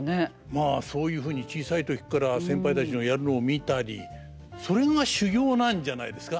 まあそういうふうに小さい時から先輩たちのやるのを見たりそれが修業なんじゃないですか。